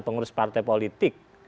pengurus partai politik